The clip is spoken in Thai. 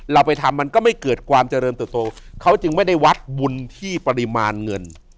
เราไปทำมันก็ไม่เกิดความเจริญเติบโตเขาจึงไม่ได้วัดบุญที่ปริมาณเงิน